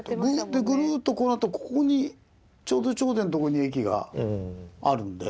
でぐるっとこうなったここにちょうど頂点のとこに駅があるんで。